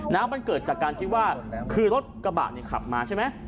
มันเกิดจากการที่ว่าคือรถกระบะเนี่ยขับมาใช่ไหม